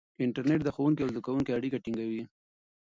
انټرنیټ د ښوونکي او زده کوونکي اړیکه ټینګوي.